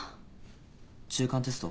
中間テスト？